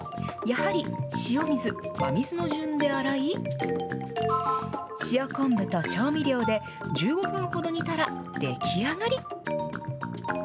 やはり塩水、真水の順で洗い、塩昆布と調味料で１５分ほど煮たら出来上がり。